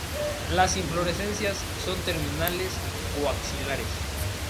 Las inflorescencias son terminales o axilares.